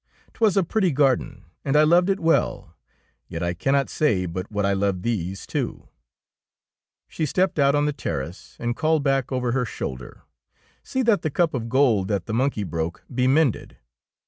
'Twas a pretty garden, and I loved it well. Yet I cannot say but what I love these too.'' She stepped out on the terrace, and called back over her shoulder, —" See that the cup of gold that the monkey broke be mended."